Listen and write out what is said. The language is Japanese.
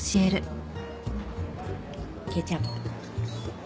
ケチャップ。